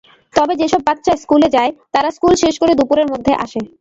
তবে যেসব বাচ্চা স্কুলে যায়, তারা স্কুল শেষ করে দুপুরের মধ্যে আসে।